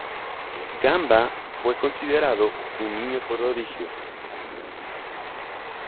Gamba fue considerado un niño prodigio.